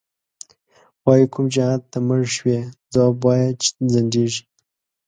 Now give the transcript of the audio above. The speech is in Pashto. وایې کوم جهادته مړ شوی، ځواب وایه چی ځندیږی